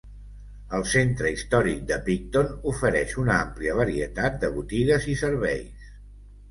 El centre històric de Picton ofereix una àmplia varietat de botigues i serveis.